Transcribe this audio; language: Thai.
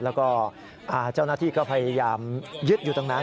แล้วก็เจ้าหน้าที่ก็พยายามยึดอยู่ตรงนั้น